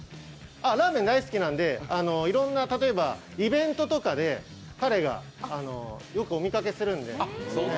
ラーメン大好きなんで例えばイベントとかで彼がよくお見かけするんで。